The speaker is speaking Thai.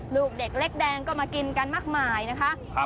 ลูกเด็กเล็กแดงก็มากินกันมากมายนะคะ